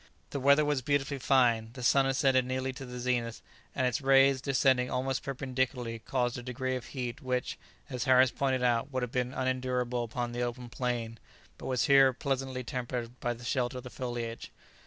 The weather was beautifully fine; the sun ascended nearly to the zenith, and its rays, descending almost perpendicularly, caused a degree of heat which, as Harris pointed out, would have been unendurable upon the open plain, but was here pleasantly tempered by the shelter of the foliage.